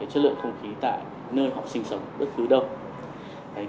chất lượng không khí tại nơi họ sinh sống bất cứ đâu